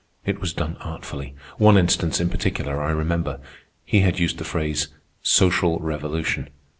It was done artfully. One instance, in particular, I remember. He had used the phrase "social revolution."